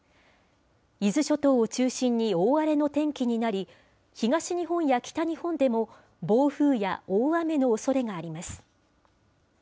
伊豆諸島を中心に大荒れの天気になり、東日本や北日本でも、暴風や大雨のおそれがあります。